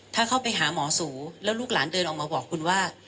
ถ้าเข้าไปหาหมอสูแล้วลูกหลานเดินออกมาบอกคุณว่า